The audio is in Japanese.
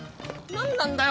何なんだよ